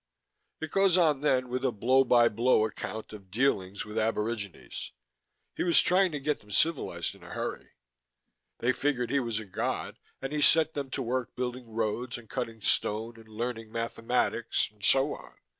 "It goes on then with a blow by blow account of dealings with aborigines. He was trying to get them civilized in a hurry. They figured he was a god and he set them to work building roads and cutting stone and learning mathematics and so on.